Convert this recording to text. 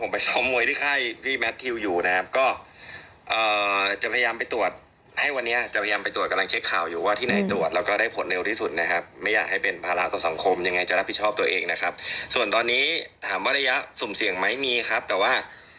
ไปซ้อมมวยที่ค่ายพี่แมททิวอยู่นะครับก็จะพยายามไปตรวจให้วันนี้จะพยายามไปตรวจกำลังเช็คข่าวอยู่ว่าที่ไหนตรวจแล้วก็ได้ผลเร็วที่สุดนะครับไม่อยากให้เป็นภาระต่อสังคมยังไงจะรับผิดชอบตัวเองนะครับส่วนตอนนี้ถามว่าระยะสุ่มเสี่ยงไหมมีครับแต่ว่า